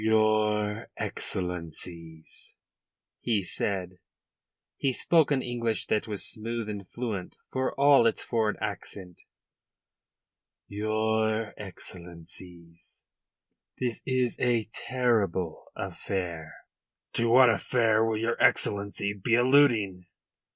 "Your Excellencies," he said he spoke an English that was smooth and fluent for all its foreign accent "Your Excellencies, this is a terrible affair." "To what affair will your Excellency be alluding?"